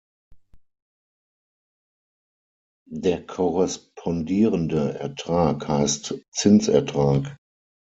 Der korrespondierende Ertrag heißt Zinsertrag.